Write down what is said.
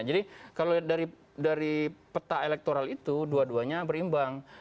jadi kalau dari peta elektoral itu dua duanya berimbang